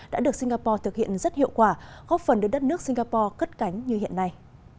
đã được singapore thực hiện rất hiệu quả góp phần đưa đất nước singapore cất cánh như hiện nay